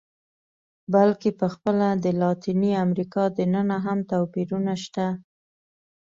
بلکې په خپله د لاتینې امریکا دننه هم توپیرونه شته.